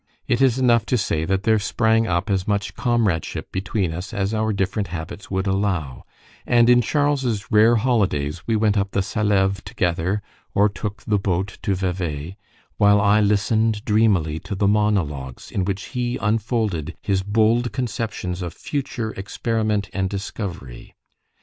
It is enough to say that there sprang up as much comradeship between us as our different habits would allow; and in Charles's rare holidays we went up the Saleve together, or took the boat to Vevay, while I listened dreamily to the monologues in which he unfolded his bold conceptions of future experiment and discovery.